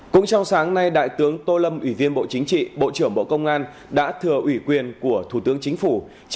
cũng trong sáng nay đại tướng tô lâm ủy viên bộ chính trị bộ trưởng bộ công an đã thừa ủy quyền của thủ tướng chính phủ